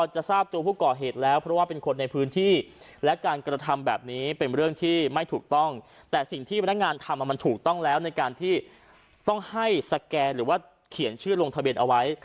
จะให้สแกนหรือว่าเขียนชื่อลงทะเบียนเอาไว้